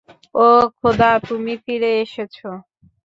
ওহ খোদা তুমি ফিরে এসেছ।